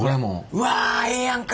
うわええやんか。